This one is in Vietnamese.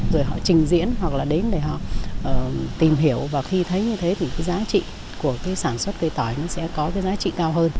rồi họ trình diễn hoặc là đến để họ tìm hiểu và khi thấy như thế thì giá trị của sản xuất cây tỏi sẽ có giá trị cao hơn